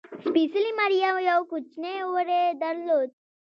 سپېڅلې مریم یو کوچنی وری درلود.